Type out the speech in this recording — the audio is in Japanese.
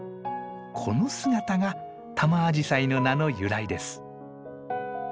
この姿がタマアジサイの名の由来です。